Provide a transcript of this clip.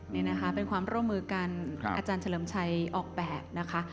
นี่นะคะเป็นความร่วมมือกันอาจารย์เฉลิมชัยออกแบบนะคะ